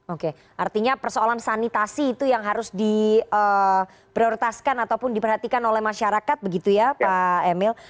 oke artinya persoalan sanitasi itu yang harus diprioritaskan ataupun diperhatikan oleh masyarakat begitu ya pak emil